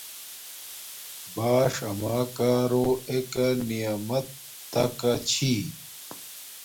باݽ اما کارو ایکہ نعمت تکا چھی